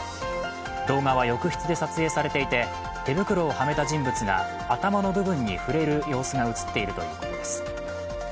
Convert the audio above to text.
動画は浴室で撮影されていて手袋をはめた人物が頭の部分に触れる様子が映っているということです。